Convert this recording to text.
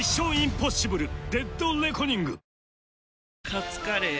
カツカレー？